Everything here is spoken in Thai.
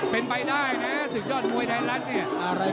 เป็นไปได้นะสินค้อร้านตรบวยไทยลัดเนี่ย